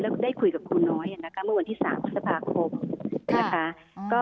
แล้วได้คุยกับคุณน้อยเมื่อวันที่๓สัปดาห์คม